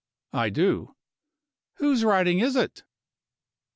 "I do." "Whose writing is it?"